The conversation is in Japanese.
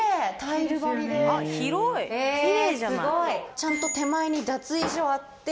ちゃんと手前に脱衣所あって。